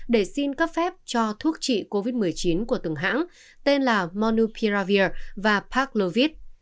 để xin cấp phép cho thuốc trị covid một mươi chín của từng hãng tên là monupiravir và parklovid